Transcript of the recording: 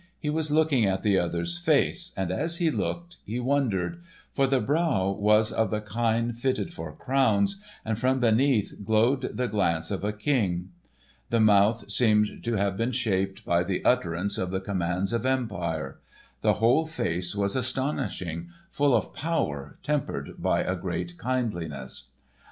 He was looking at the other's face, and as he looked, he wondered; for the brow was of the kind fitted for crowns, and from beneath glowed the glance of a King. The mouth seemed to have been shaped by the utterance of the commands of Empire. The whole face was astonishing, full of power tempered by a great kindliness.